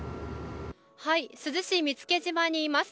珠洲市見附島にいます。